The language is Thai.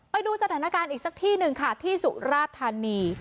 ไปดูสถานการณ์อีกสักที่หนึ่งค่ะที่สุราธานี